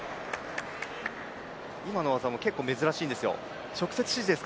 今の技も珍しいんですよ。